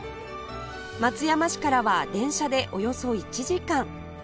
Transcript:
松山市からは電車でおよそ１時間